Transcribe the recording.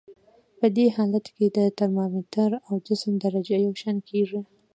په دې حالت کې د ترمامتر او جسم درجه یو شان کیږي.